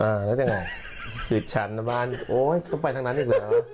อ่าแล้วยังไงคือฉันบ้านโอ้ยต้องไปทางนั้นอีกเลยเหรอ